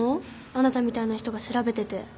あなたみたいな人が調べてて。